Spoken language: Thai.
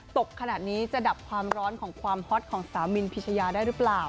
ตกขนาดนี้จะดับความร้อนของความฮอตของสาวมินพิชยาได้หรือเปล่า